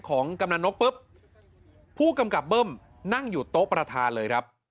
กำนันนกปุ๊บผู้กำกับเบิ้มนั่งอยู่โต๊ะประธานเลยครับ